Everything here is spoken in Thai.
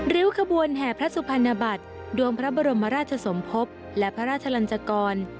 ริ้วขบวนแห่พระสุพรรณบัตรดวงพระบรมราชสมภพและพระราชลันจกร